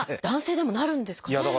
男性でもなるんですかね？